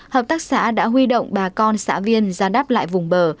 hợp tác xã đã huy động bà con xã viên ra đáp lại vùng bờ